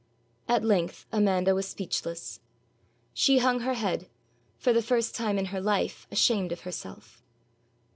At length Amanda was speechless. She hung her head, for the first time in her life ashamed of herself.